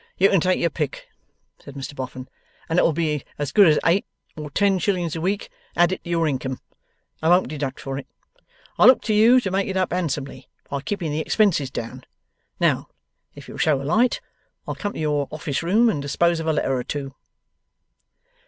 'You can take your pick,' said Mr Boffin, 'and it'll be as good as eight or ten shillings a week added to your income. I won't deduct for it; I look to you to make it up handsomely by keeping the expenses down. Now, if you'll show a light, I'll come to your office room and dispose of a letter or two.